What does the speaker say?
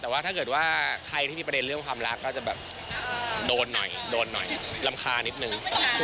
แต่ว่าถ้าเกิดว่าใครที่มีประเด็นเรื่องความรักก็จะแบบโดนหน่อยโดนหน่อยรำคานิดนึง